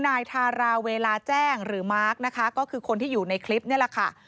นายทาราเวลาแจ้งหรือมาร์คนะคะก็คือคนที่อยู่ในคลิปนี่แหละค่ะ